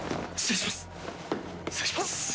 失礼します！